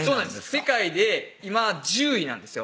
世界で今１０位なんですよ